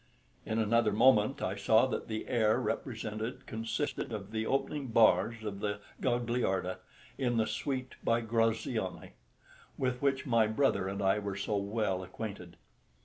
In another moment I saw that the air represented consisted of the opening bars of the Gagliarda in the suite by Graziani with which my brother and I were so well acquainted.